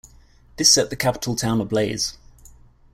This set the capital town ablaze.